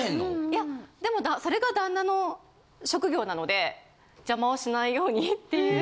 いやでもそれが旦那の職業なので邪魔をしないようにっていう。